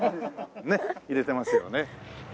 ねっ入れてますよね。